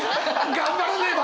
頑張らねば！